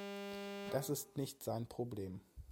Das ist nicht sein Problem.